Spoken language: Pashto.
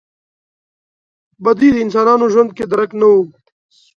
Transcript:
بدوي انسانانو ژوند کې درک نه و.